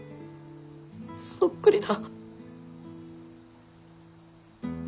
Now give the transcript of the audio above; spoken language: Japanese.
そっくりだ。